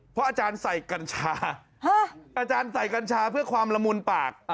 เพราะอาจารย์ใส่กัญชาอาจารย์ใส่กัญชาเพื่อความละมุนปาก